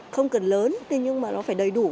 không cần lớn nhưng mà nó phải đầy đủ